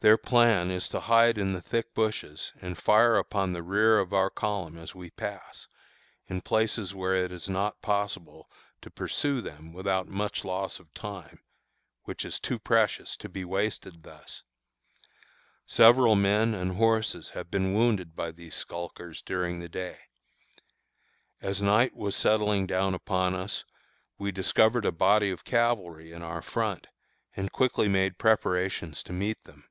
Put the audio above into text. Their plan is to hide in the thick bushes, and fire upon the rear of our column as we pass, in places where it is not possible to pursue them without much loss of time, which is too precious to be wasted thus. Several men and horses have been wounded by these skulkers during the day. As night was settling down upon us, we discovered a body of cavalry in our front, and quickly made preparations to meet them.